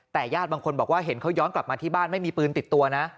แต่ญาติบางคนบอกว่าเห็นเขาย้อนกลับมาที่บ้านไม่มีปืนติดตัวนะ